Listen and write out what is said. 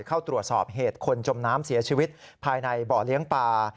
เข้าตรวจสอบเหตุคนจมน้ำเสียชีวิตภายในบ่อเลี้ยงปลา